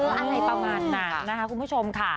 อะไรประมาณนั้นนะคะคุณผู้ชมค่ะ